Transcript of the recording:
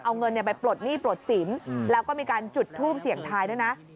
เอาเงินไปปลดหนี้ปลดสินแล้วก็มีการจุดทูปเสี่ยงทายด้วยนะ